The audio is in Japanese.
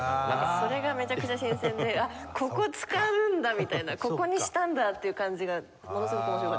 それがめちゃくちゃ新鮮で「あっここ使うんだ」みたいな「ここにしたんだ」っていう感じがものすごく面白かったです。